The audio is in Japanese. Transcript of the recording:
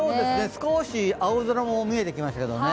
少し青空も見えてきましたけどね。